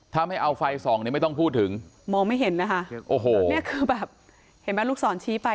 ถ้าไม่เอาไฟส่องเนี่ยไม่ต้องพูดถึงมองไม่เห็นนะคะโอ้โหเนี่ยคือแบบเห็นไหมลูกศรชี้ไป